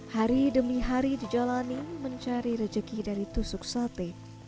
hari demi hari dijalani mencari rejeki dari tusuk sate